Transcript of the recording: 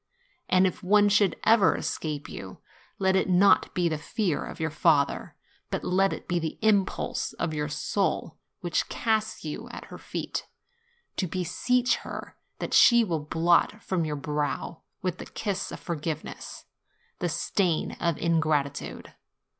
And if one should ever es cape you, let it not be the fear of your father, but let it be the impulse of your soul, which casts you at her feet, to beseech her that she will blot from your brow, with the kiss of forgiveness, the stain of ingratitude.